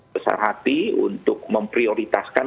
besar hati untuk memprioritaskan